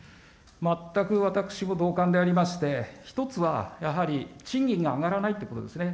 全く私も同感でありまして、１つは、やはり、賃金が上がらないってことですね。